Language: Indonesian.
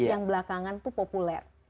yang belakangan itu populer